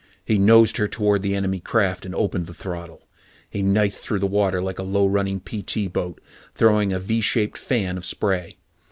He nosed her toward the enemy craft and opened the throttle. She knifed through the water like a low running PT boat, throwing a V shaped fan of spray.